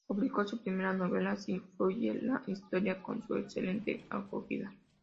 Publicó su primera novela "Así fluye la historia" con una excelente acogida.